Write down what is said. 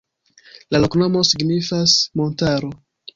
La loknomo signifas: montaro.